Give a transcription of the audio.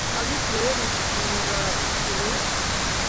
abisirayeli bibagiwe